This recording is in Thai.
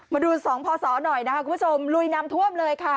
มาดู๒พหน่อยนะคะคุณผู้ชมหน่ดถั่วเลยค่ะ